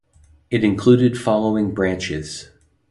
It included following branches.